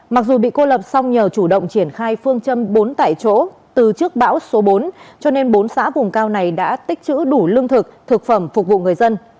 mặc dù bị cô lập song nhờ chủ động triển khai phương châm bốn tại chỗ từ trước bão số bốn cho nên bốn xã vùng cao này đã tích chữ đủ lương thực thực phẩm phục vụ người dân